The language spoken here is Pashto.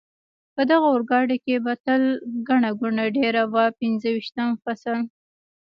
په دغه اورګاډي کې به تل ګڼه ګوڼه ډېره وه، پنځه ویشتم فصل.